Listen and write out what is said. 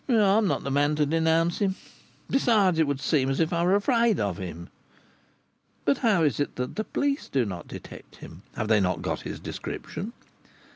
"I'm not the man to denounce him. Besides, it would seem as if I were afraid of him." "But how is it that the police do not detect him? Have they not got his description?"